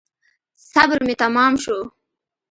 صبر مي تمام شو .